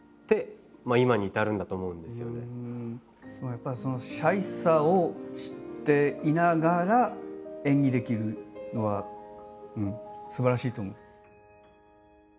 やっぱりそのシャイさを知っていながら演技できるのはすばらしいと思う。